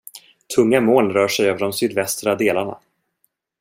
Tunga moln rör sig över sydvästra delarna.